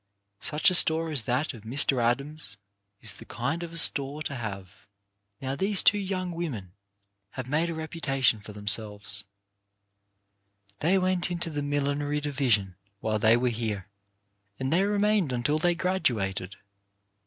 Such a store as that of Mr. Adams is the kind of a store to have. Now, these two young women have made a repu tation for themselves. They went into the millin ery division while they were here, and they reT CULTIVATION OF STABLE HABITS 191 mained until they graduated.